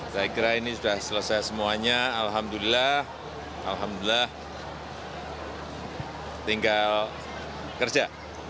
saya kira ini sudah selesai semuanya alhamdulillah alhamdulillah tinggal kerja